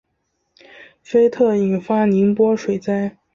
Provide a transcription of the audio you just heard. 菲特引发宁波水灾。